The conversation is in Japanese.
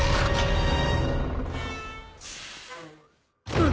あっ！